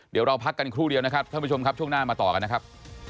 เดี๋ยวเราพักกันครู่เดียวนะครับท่านผู้ชมครับช่วงหน้ามาต่อกันนะครับ